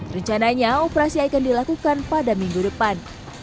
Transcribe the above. rencananya operasi akan dilakukan pada minggu depan